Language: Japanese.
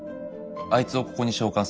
あいつをここに召喚する。